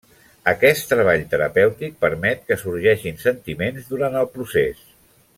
Aquest treball terapèutic permet que sorgeixin sentiments durant el procés.